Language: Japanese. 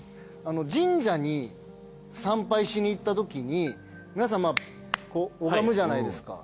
神社に参拝しに行ったときに皆さんこう拝むじゃないですか。